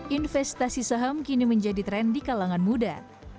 investasi saham kini menjadi tren di kalangan muda